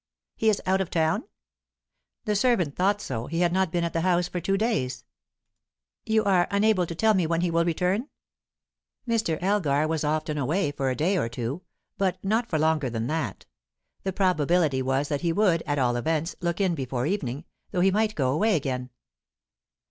"He is out of town?" The servant thought so; he had not been at the house for two days. "You are unable to tell me when he will return?" Mr. Elgar was often away for a day or two, but not for longer than that. The probability was that he would, at all events, look in before evening, though he might go away again.